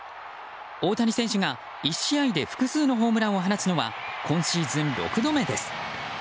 大谷選手が１試合で複数のホームランを放つのは今シーズン６度目です。